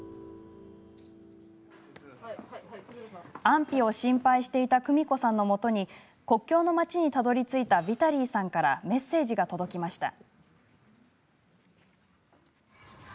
安否を心配していたクミコさんのもとに国境の町にたどりついたヴィタリーさんからメッセージが届きました。